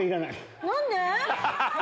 何で？